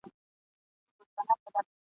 ستا رګو ته د ننګ ویني نه دي تللي !.